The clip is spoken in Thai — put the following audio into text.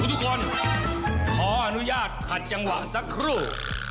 ทุกคนขออนุญาตขัดจังหวะสักครู่